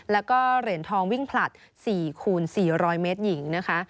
แล้วก็เหรียญทองวิ่งผลัด๔คูณ๔๐๐เมตรหญิงนะคะ